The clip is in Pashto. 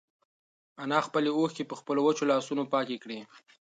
انا خپلې اوښکې په خپلو وچو لاسونو پاکې کړې.